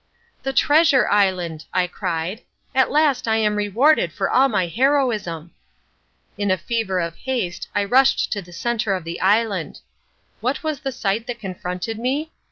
"The treasure island," I cried, "at last I am rewarded for all my heroism." In a fever of haste I rushed to the centre of the island. What was the sight that confronted me?